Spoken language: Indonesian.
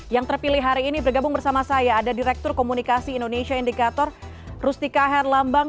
yang terpilih hari ini bergabung bersama saya ada direktur komunikasi indonesia indikator rustika herlambang